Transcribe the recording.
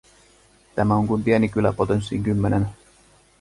Tämä on kuin pieni kylä potenssiin kymmenen.